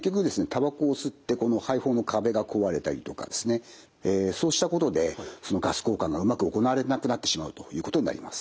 タバコを吸ってこの肺胞の壁が壊れたりとかですねそうしたことでそのガス交換がうまく行われなくなってしまうということになります。